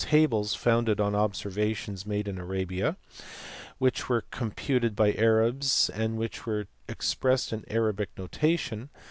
tables, founded on observations made in Arabia, which were computed by Arabs and which were expressed in Arabic nota tion.